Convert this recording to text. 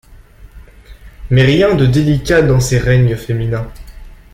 Mais rien de délicat dans ces règnes féminins.